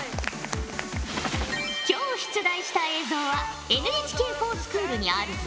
今日出題した映像はＮＨＫｆｏｒＳｃｈｏｏｌにあるぞ。